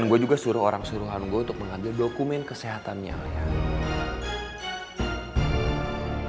dan gue juga suruh orang suruhan gue untuk mengambil dokumen kesehatannya lia